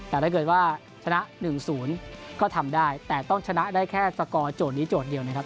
แต่ถ้าเกิดว่าชนะ๑๐ก็ทำได้แต่ต้องชนะได้แค่สกอร์โจทย์นี้โจทย์เดียวนะครับ